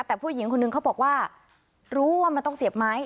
แต่ผู้หญิงคนนึงเขาบอกว่ารู้ว่ามันต้องเสียบไม้